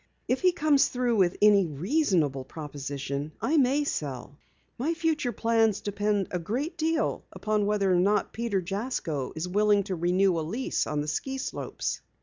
If he comes through with any reasonable proposition I may sell. My future plans depend a great deal upon whether or not Peter Jasko is willing to renew a lease on the ski slopes."